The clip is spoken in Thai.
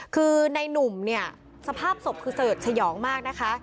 คือในหนุ่มสภาพศพคือเสริฐเฉยองมากนะคะ